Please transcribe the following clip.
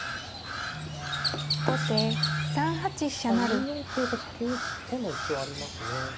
２四桂と先に打つ手も一応ありますね。